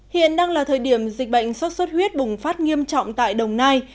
hiện đang là thời điểm dịch bệnh sốt xuất huyết bùng phát nghiêm trọng tại đồng nai